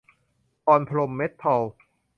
พรพรหมเม็ททอล